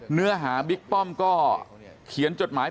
เนื้อหาบิ๊กป้อมก็เขียนจดหมาย